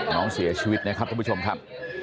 น้องเสียชีวิตนะครับทุกผู้ชมครับ